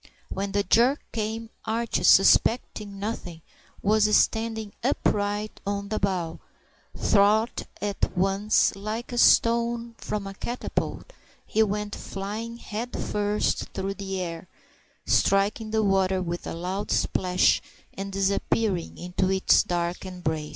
When the jerk came, Archie, suspecting nothing, was standing upright on the bow thwart, and at once, like a stone from a catapult, he went flying head first through the air, striking the water with a loud splash, and disappearing into its dark embrace.